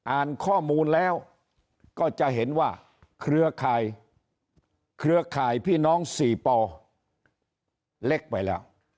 อ่านข้อมูลแล้วก็จะเห็นว่าเครือข่ายพี่น้องสี่ปเล็กไปแล้ว